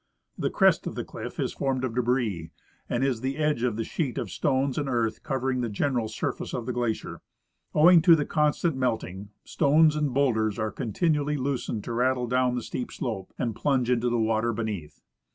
The crest of the cliff is formed of debris, and is the edge of the sheet of stones and earth covering the general surface of the glacier. Owing to the constant melting, stones and bowlders are continually loosened to rattle down the steep slope and plunge into the water beneath.